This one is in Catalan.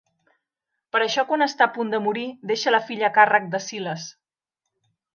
Per això quan està a punt de morir deixa la filla a càrrec de Silas.